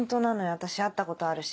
私会ったことある。